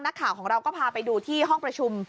นักข่าวของเราก็พาไปดูที่ห้องประชุม